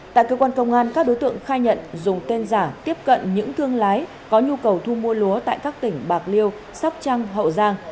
tại cơ quan công an các đối tượng khai nhận dùng tên giả tiếp cận những thương lái có nhu cầu thu mua lúa tại các tỉnh bạc liêu sóc trăng hậu giang